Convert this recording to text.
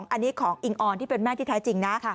อันนี้ของอิงออนที่เป็นแม่ที่แท้จริงนะ